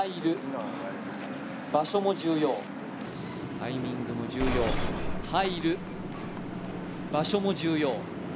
タイミングも重要、入る場所も重要。